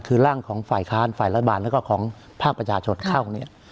คือร่างของฝ่ายค้านฝ่ายรัฐบาลแล้วก็ของภาคประชาชนเข้าเนี่ย